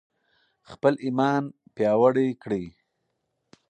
خپل ایمان پیاوړی کړئ.